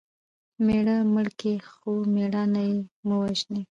مېړه مړ کى؛ خو مړانه ئې مه وژنئ!